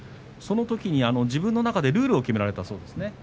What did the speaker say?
そのときに自分の中でルールを決めたそうですね。